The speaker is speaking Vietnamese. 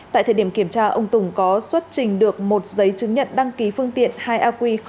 tại thời điểm kiểm tra ông tùng có xuất trình được một giấy chứng nhận đăng ký phương tiện hai aq sáu trăm ba mươi chín